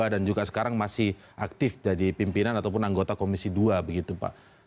dan juga sekarang masih aktif jadi pimpinan ataupun anggota komisi dua begitu pak